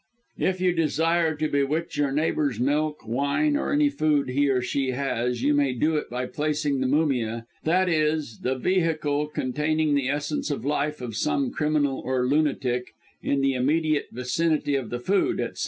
"If you desire to bewitch your neighbour's milk, wine, or any food he or she has, you may do it by placing the mumia, i.e. the vehicle containing the essence of life of some criminal or lunatic, in the immediate vicinity of the food, etc.